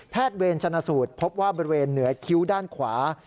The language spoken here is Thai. เวรชนะสูตรพบว่าบริเวณเหนือคิ้วด้านขวา